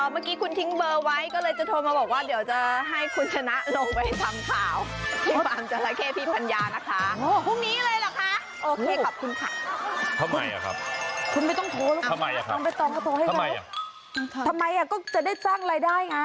เมื่อกี้คุณทิ้งเบอร์ไว้ก็เลยจะโทรมาบอกว่าเดี๋ยวจะให้คุณชนะลงไปทำข่าวที่ฟาร์มจราเข้พี่ปัญญานะคะ